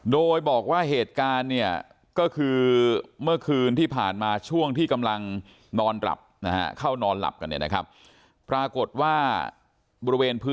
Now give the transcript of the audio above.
โดยบอกว่าเหตุการณ์เนี่ยก็คือเมื่อคืนที่ผ่านมาช่วงที่กำลังนอนหลับ